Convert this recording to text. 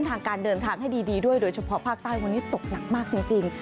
ทางการเดินทางให้ดีด้วยโดยเฉพาะภาคใต้วันนี้ตกหนักมากจริง